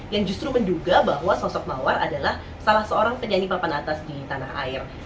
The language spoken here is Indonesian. yang justru menduga bahwa sosok mawar adalah salah seorang penyanyi papan atas di tanah air